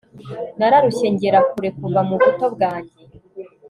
nararushye ngera kure kuva mu buto bwanjye